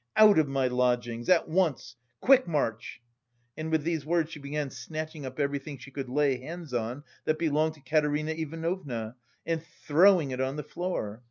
"Out of my lodgings! At once! Quick march!" And with these words she began snatching up everything she could lay her hands on that belonged to Katerina Ivanovna, and throwing it on the floor.